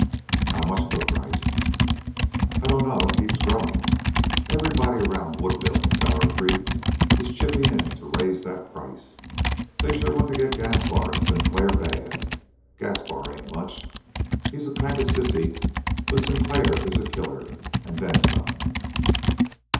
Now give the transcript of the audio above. "How much of a price?" "I dunno. It keeps growing. Everybody around Woodville and Sour Creek is chipping in to raise that price. They sure want to get Gaspar and Sinclair bad. Gaspar ain't much. He's a kind of sissy, but Sinclair is a killer and then some."